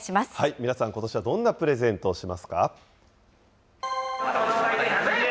皆さん、ことしはどんなプレゼントをしますか。